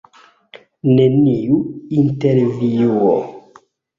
Neniu intervjuo.